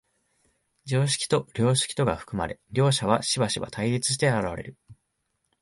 常識と良識とが含まれ、両者はしばしば対立して現れる。